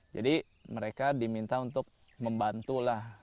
jadi mereka diminta untuk membantulah